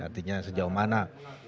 artinya sejauh mana